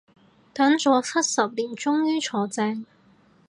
等咗七十年終於坐正